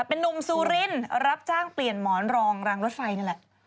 เป็นนุ่มซูรินรับจ้างเปลี่ยนหมอนรองรางรถไฟนั่นแหละ